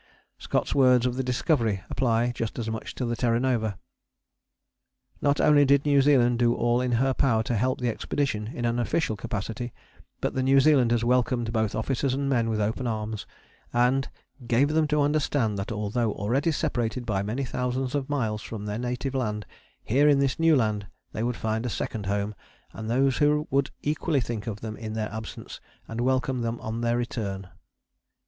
Scott's words of the Discovery apply just as much to the Terra Nova. Not only did New Zealand do all in her power to help the expedition in an official capacity, but the New Zealanders welcomed both officers and men with open arms, and "gave them to understand that although already separated by many thousands of miles from their native land, here in this new land they would find a second home, and those who would equally think of them in their absence, and welcome them on their return."